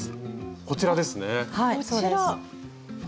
こちらですね。